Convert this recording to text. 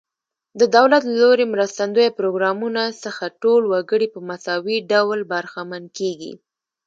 د دولت له لوري مرستندویه پروګرامونو څخه ټول وګړي په مساوي ډول برخمن کیږي.